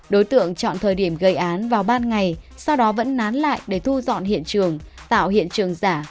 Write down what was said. đối tượng chọn thời điểm gây án vào ban ngày sau đó vẫn nán lại để thu dọn hiện trường tạo hiện trường giả